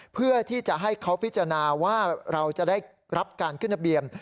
เพื่อที่จะให้เขาพิจารณาว่าเราจะได้รับการขึ้นทะเบียน